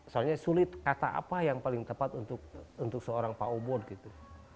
soalnya sulit kata apa yang paling tepat untuk seorang pak ubud gitu